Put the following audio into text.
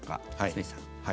堤さん。